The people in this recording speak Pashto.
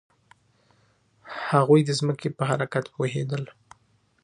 هغوی د ځمکې په حرکت پوهیدل.